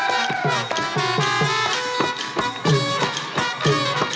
โอ้โหโอ้โห